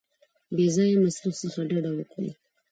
د بې ځایه مصرف څخه ډډه وکړئ.